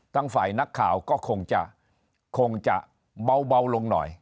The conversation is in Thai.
ฝ่ายนักข่าวก็คงจะคงจะเบาลงหน่อย